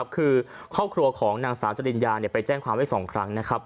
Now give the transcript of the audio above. คือครอบครัวของนางสาวจริญญาไปแจ้งความไว้๒ครั้งนะครับ